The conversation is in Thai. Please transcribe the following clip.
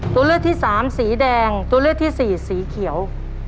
ตัวเลือกที่สามสีแดงตัวเลือกที่สี่สีเขียว